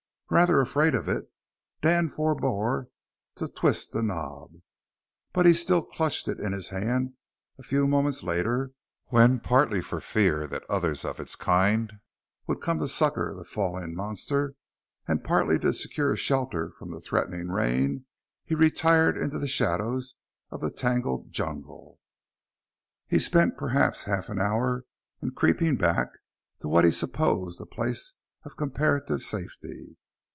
Rather afraid of it, Dan forebore to twist the knob. But he still clutched it in his hand a few moments later, when, partly for fear that others of its kind would come to succor the fallen monster, and partly to secure shelter from the threatening rain, he retired into the shadows of the tangled jungle. He spent perhaps half an hour in creeping back to what he supposed a place of comparative safety.